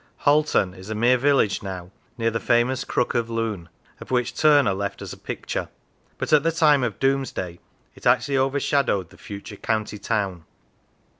Halton is a mere village now, near the famous Crook of Lune, of which Turner left us a picture, but at the time of Domesday it actually over shadowed the future county town.